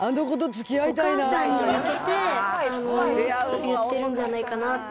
お母さんに向けて言ってるんじゃないかなって。